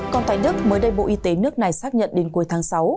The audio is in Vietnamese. còn tại đức mới đây bộ y tế nước này xác nhận đến cuối tháng sáu